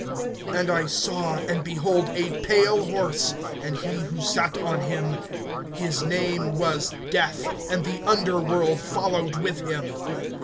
(8)And I saw, and behold a pale horse; and he who sat on him, his name was Death, and the underworld followed with him.